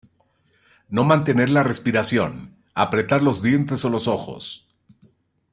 No mantener la respiración, apretar los dientes o los ojos.